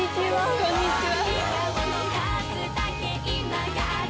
こんにちは。